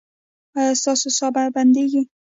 ایا ستاسو ساه به بندیږي؟